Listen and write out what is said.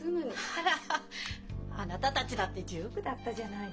あらあなたたちだって１９だったじゃないの。